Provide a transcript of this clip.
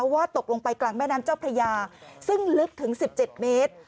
ว่าตกลงไปกลางแม่น้ำเจ้าพระยาซึ่งลึกถึง๑๗เมตร